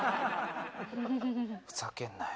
ふざけんなよ。